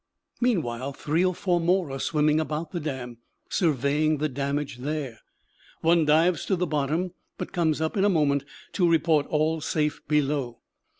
Meanwhile three or four more are swimming about the dam, surveying the damage there. One dives to the bottom, but comes up in a moment to report all safe below.